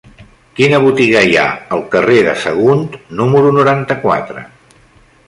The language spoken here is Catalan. Quina botiga hi ha al carrer de Sagunt número noranta-quatre?